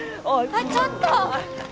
あっちょっと！